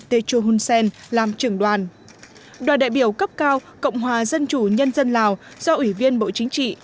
techo hun sen làm trưởng đoàn đoàn đại biểu cấp cao cộng hòa dân chủ nhân dân lào do ủy viên bộ chính trị